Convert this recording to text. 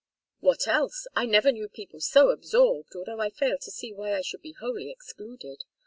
"What else? I never knew people so absorbed, although I fail to see why I should be wholly excluded.